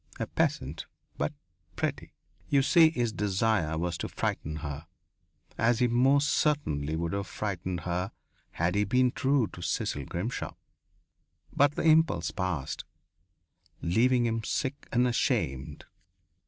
A peasant, but pretty.... You see, his desire was to frighten her, as he most certainly would have frightened her had he been true to Cecil Grimshaw. But the impulse passed, leaving him sick and ashamed.